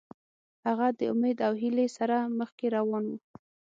هغه د امید او هیلې سره مخکې روان و.